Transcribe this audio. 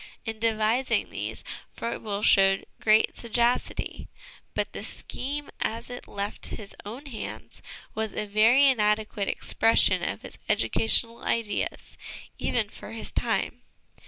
In devising these Froebel showed great sagacity ; but the scheme as it left his own hands was a very inadequate expression of his educational ideas, even for his time.